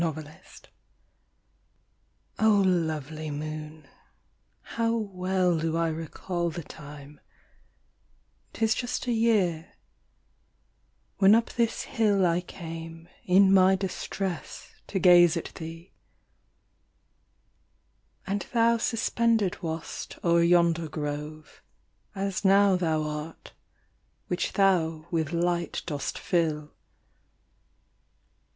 TO THE MOON. O lovely moon, how well do I recall The time,—'tis just a year—when up this hill I came, in my distress, to gaze at thee: And thou suspended wast o'er yonder grove, As now thou art, which thou with light dost fill.